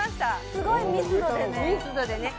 すごい密度でね。